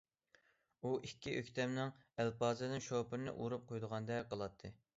ئۇ ئىككى ئۆكتەمنىڭ ئەلپازىدىن شوپۇرنى ئۇرۇپ قويىدىغاندەك قىلاتتى.